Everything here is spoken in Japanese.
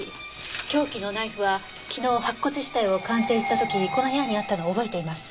凶器のナイフは昨日白骨死体を鑑定した時にこの部屋にあったのを覚えています。